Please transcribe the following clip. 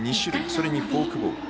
それにフォークボール。